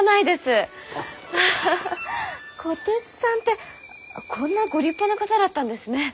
虎鉄さんってこんなご立派な方だったんですね。